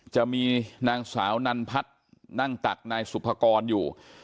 จะมีนางสาวนันพัฒน์นั่งตักนายสุภกรอยู่